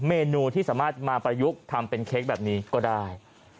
เมนูที่สามารถมาประยุกต์ทำเป็นเค้กแบบนี้ก็ได้